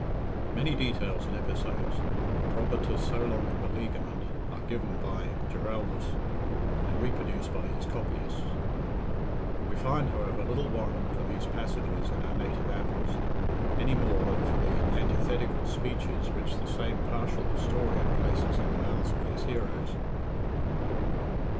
Many details and episodes, proper to so long a beleaguerment, are given by Giraldus, and reproduced by his copyists. We find, however, little warrant for these passages in our native annals, any more than for the antithetical speeches which the same partial historian places in the mouths of his heroes.